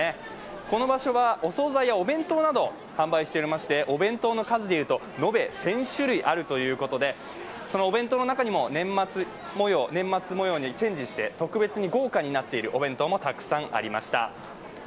この場所はお惣菜やお弁当などを販売しておりまして、お弁当の数で言うと延べ１０００種類ありまして、お弁当の中にも年末もようにチェンジして特別に豪華になっているお弁当もたくさんありました。